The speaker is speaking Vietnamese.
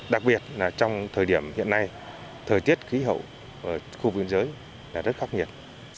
đặc biệt là trong thời điểm hiện nay thời tiết khí hậu ở khu biên giới là rất khắc nghiệt